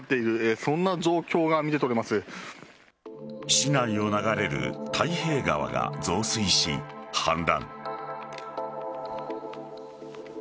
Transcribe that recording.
市内を流れる太平川が増水し氾濫。